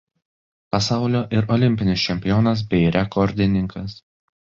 Pasaulio ir olimpinis čempionas bei rekordininkas.